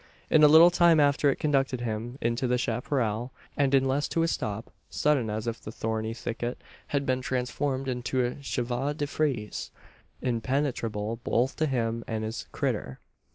In a little time after it conducted him into the chapparal; and in less to a stop sudden, as if the thorny thicket had been transformed into a chevaux de frise, impenetrable both to him and his "critter."